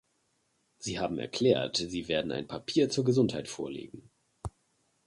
Sie haben erklärt, Sie werden ein Papier zur Gesundheit vorlegen.